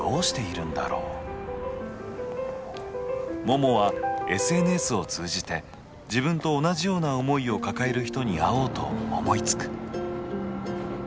ももはＳＮＳを通じて自分と同じような思いを抱える人に会おうと思いつく。